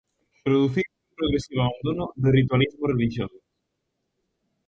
Produciuse un progresivo abandono do ritualismo relixioso.